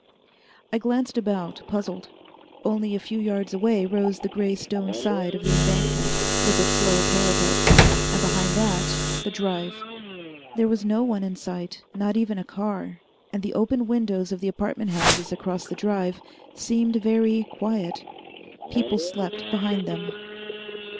I glanced about, puzzled. Only a few yards away rose the gray stone side of the embankment, with its low parapet, and behind that the Drive. There was no one in sight not even a car and the open windows of the apartment houses across the Drive seemed very quiet. People slept behind them.